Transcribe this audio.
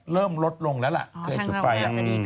เริ่มลดลงแล้วล่ะเคยจุดไฟ